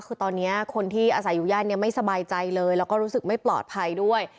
คือตอนนี้คนที่อาศัยอยู่ย่านนี้ไม่สบายใจเลยแล้วก็รู้สึกไม่ปลอดภัยด้วย